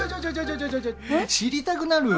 知りたくなる。